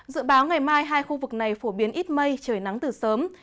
dự báo ngày mai hai khu vực này phổ biến ít mây trời nắng từ sớm